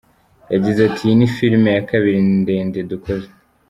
Yagize ati : “Iyi ni Film ya kabiri ndende dukoze.